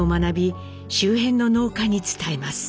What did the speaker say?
周辺の農家に伝えます。